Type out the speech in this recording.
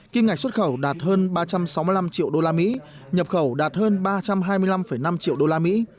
kim ngạch xuất khẩu đạt hơn ba trăm sáu mươi năm triệu đô la mỹ nhập khẩu đạt hơn ba trăm hai mươi năm năm triệu đô la mỹ